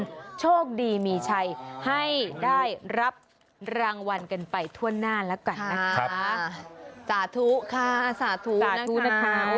โชคดีมีชัยให้ได้รับรางวัลกันไปทั่วหน้าแล้วกันนะคะสาธุค่ะสาธุสาธุนะคะ